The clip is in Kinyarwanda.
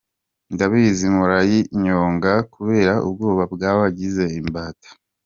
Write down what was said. Ndabizi murayinyonga kubera ubwoba bwabagize imbata.